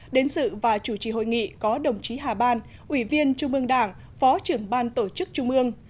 đến sự và chủ trì hội nghị có đồng chí hà ban ủy viên trung ương đảng phó trưởng ban tổ chức trung ương